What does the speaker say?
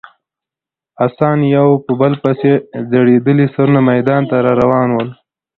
اسان یو په بل پسې ځړېدلي سرونه میدان ته راروان ول.